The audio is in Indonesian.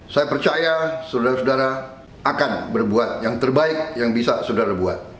saya percaya saudara saudara akan berbuat yang terbaik yang bisa saudara buat